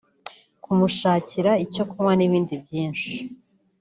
kumushakira icyo kunywa n’ibindi byinshi